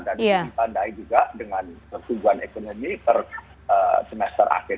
dan dipandai juga dengan pertumbuhan ekonomi per semester akhir